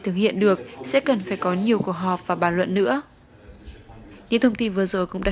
thực hiện được sẽ cần phải có nhiều cuộc họp và bàn luận nữa những thông tin vừa rồi cũng đã